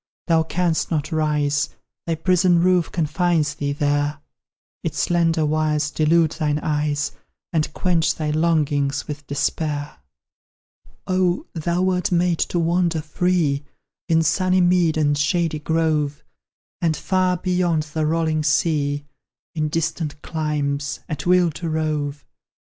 Thou canst not rise: Thy prison roof confines thee there; Its slender wires delude thine eyes, And quench thy longings with despair. Oh, thou wert made to wander free In sunny mead and shady grove, And far beyond the rolling sea, In distant climes, at will to rove!